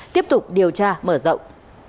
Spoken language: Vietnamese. tiếp tục điều tra mở rộng